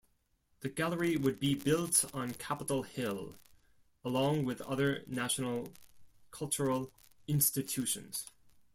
The Gallery would be built on Capital Hill, along with other national cultural institutions.